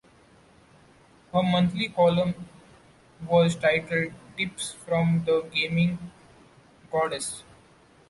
Her monthly column was titled "Tips from the Gaming Goddess".